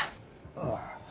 ああ。